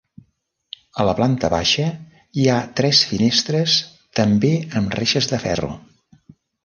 A la planta baixa hi ha tres finestres també amb reixes de ferro.